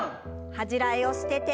恥じらいを捨てて。